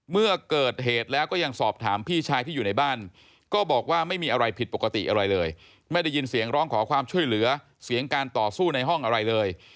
เมื่อเกิดเหตุแล้วก็ยังสอบถามพี่ชายที่อยู่ในบ้านก็บอกว่าไม่มีอะไรผิดปกติอะไรเลยไม่ได้ยินเสียงร้องขอความช่วยเหลือเสียงการต่อสู้ในห้องอะไรเลย